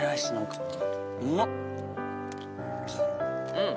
うん。